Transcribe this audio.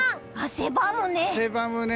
汗ばむね。